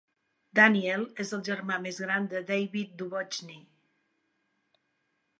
Daniel és el germà més gran de David Duchovny.